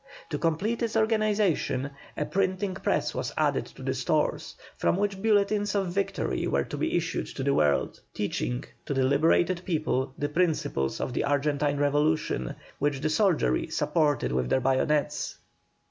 To complete its organization, a printing press was added to the stores, from which bulletins of victory were to issue to the world, teaching to the liberated people the principles of the Argentine revolution, which the soldiery supported with their bayonets.